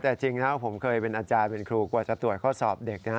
แต่จริงผมเคยเป็นอาจารย์เป็นครูกว่าจะตรวจข้อสอบเด็กนะ